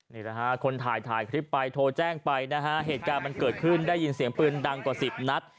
นี่แหละฮะคนถ่ายถ่ายคลิปไปโทรแจ้งไปนะฮะเหตุการณ์มันเกิดขึ้นได้ยินเสียงปืนดังกว่าสิบนัด